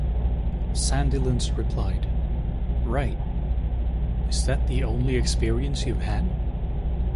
Sandilands replied: Right... is that the only experience you've had?